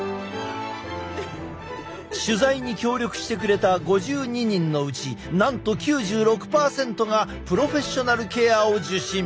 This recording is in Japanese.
取材に協力してくれた５２人のうちなんと９６％がプロフェッショナルケアを受診。